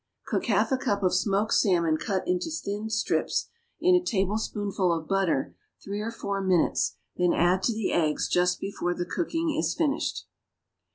= Cook half a cup of smoked salmon, cut into thin strips, in a tablespoonful of butter three or four minutes; then add to the eggs just before the cooking is finished.